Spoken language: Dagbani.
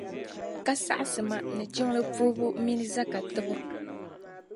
Ka saɣisi ma ni jiŋli puhibu mini zaka tibu